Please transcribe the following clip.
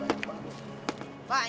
tunggu di restoran